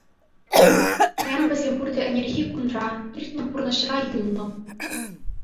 Паян вӗсем пурте ӗнерхи кунра, иртнӗ пурнӑҫра юлнӑ.